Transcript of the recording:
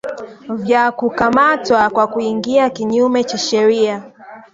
vya kukamatwa kwa kuingia kinyume cha sheria